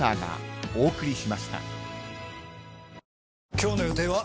今日の予定は？